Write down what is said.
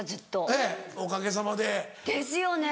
ええおかげさまで。ですよね！